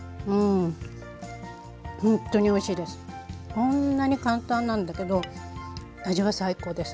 こんなに簡単なんだけど味は最高です。